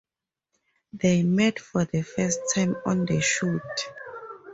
They met for the first time on the shoot.